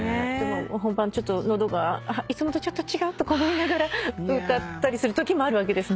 本番ちょっと喉がいつもと違うとか思いながら歌ったりするときもあるわけですね？